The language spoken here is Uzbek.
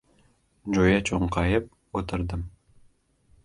Jo‘ya cho‘nqayib o‘tirdim.